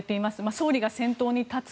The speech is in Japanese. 総理が先頭に立つ。